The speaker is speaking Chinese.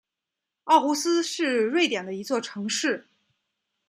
奥胡斯是瑞典的一座城市。